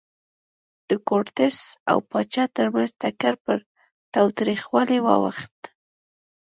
د کورتس او پاچا ترمنځ ټکر پر تاوتریخوالي واوښت.